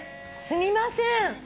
すみません。